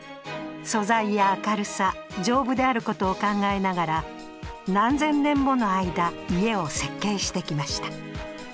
素材や明るさ丈夫であることを考えながら何千年もの間家を設計してきました。